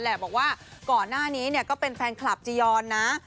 และบอกว่าก่อนหน้านี้เป็นแฟนคลัพย์จียอนนะ